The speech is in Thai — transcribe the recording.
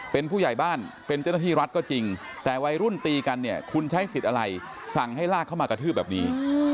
เป็นผู้ใหญ่บ้านเป็นเจ้าหน้าที่รัฐก็จริงแต่วัยรุ่นตีกันเนี่ยคุณใช้สิทธิ์อะไรสั่งให้ลากเข้ามากระทืบแบบนี้